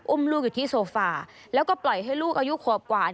ลูกอยู่ที่โซฟาแล้วก็ปล่อยให้ลูกอายุขวบกว่า